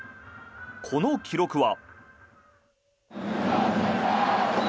この記録は。